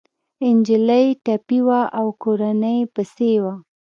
انجلۍ ټپي وه او کورنۍ يې پسې وه